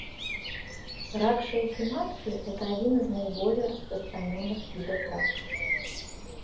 Рак шейки матки — это один из наиболее распространенных видов рака.